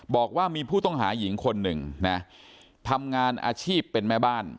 บอกว่ามีผู้ต้องหาหญิงคนหนึ่งนะทำงานอาชีพเป็นแม่บ้าน